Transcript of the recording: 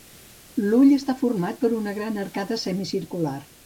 L'ull està format per una gran arcada semicircular.